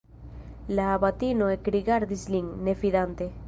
La abatino ekrigardis lin, ne fidante.